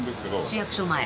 市役所前。